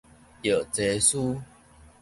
藥劑師